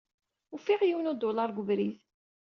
Ufiɣ yiwen n udular deg ubrid.